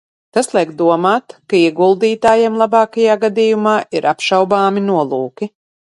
Tas liek domāt, ka ieguldītājiem labākajā gadījumā ir apšaubāmi nolūki.